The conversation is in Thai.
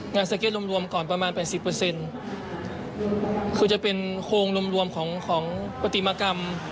สเก็ตรวมรวมก่อนประมาณแปดสิบเปอร์เซ็นต์คือจะเป็นโครงรวมรวมของของปฏิมากรรม